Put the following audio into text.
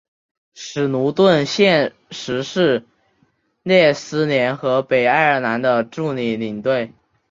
史奴顿现时是列斯联和北爱尔兰的助理领队。